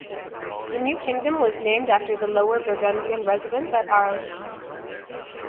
The new kingdom was named after the Lower Burgundian residence at Arles.